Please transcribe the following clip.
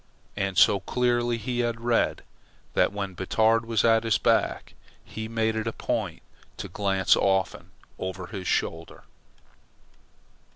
And so clearly had he read, that when Batard was at his back, he made it a point to glance often over his shoulder.